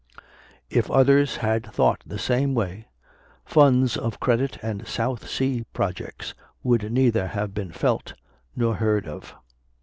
If others had thought the same way, funds of credit and South Sea projects would neither have been felt nor heard of.